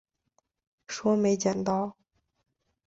说没捡到